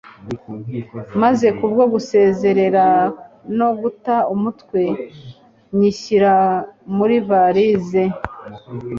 maze kubwo guserera no guta umutwe nyishyira muri valise